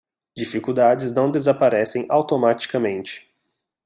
Dificuldades não desaparecem automaticamente